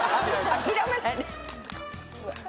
諦めないで。